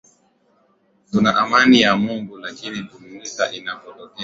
tuna amani ya mungu lakini mutwa inapotokea